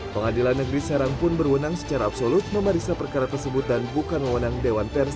pengadilan negeri serang pun berwenang secara absolut memeriksa perkara tersebut dan bukan mewenang dewan pers